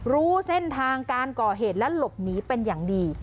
รู้เส้นทางการก่อเหตุและหลบหนีเป็นอย่างดี